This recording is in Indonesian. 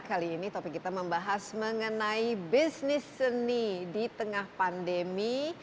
kali ini topik kita membahas mengenai bisnis seni di tengah pandemi